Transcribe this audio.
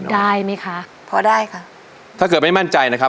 ได้ไหมคะพอได้ค่ะถ้าเกิดไม่มั่นใจนะครับ